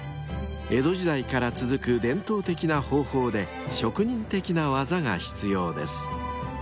［江戸時代から続く伝統的な方法で職人的な技が必要です］